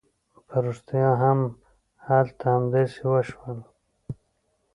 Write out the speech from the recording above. په رښتيا هم هلته همداسې وشول.